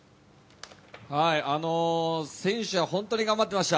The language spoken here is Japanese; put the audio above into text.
選手は本当に頑張っていました。